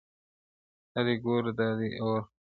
دا دي كور دى دا دي اور -